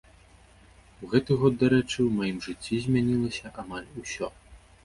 У гэты год, дарэчы, у маім жыцці змянілася амаль усё.